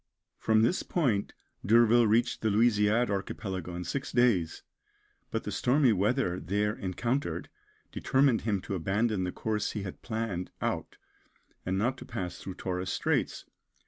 From this point D'Urville reached the Louisiade Archipelago in six days, but the stormy weather there encountered determined him to abandon the course he had planned out, and not to pass through Torres Straits.